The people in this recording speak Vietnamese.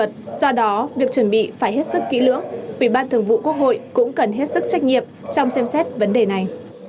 do đó việc chuẩn bị phải hết sức kỹ lưỡng ủy ban thường vụ quốc hội cũng cần hết sức trách nhiệm trong xem xét vấn đề này